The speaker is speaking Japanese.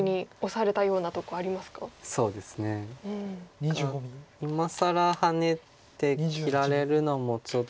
何か今更ハネて切られるのもちょっと。